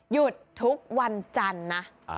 หยุดทุกวันจันทร์นะ